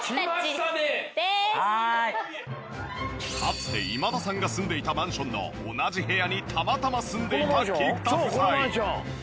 かつて今田さんが住んでいたマンションの同じ部屋にたまたま住んでいた菊田夫妻。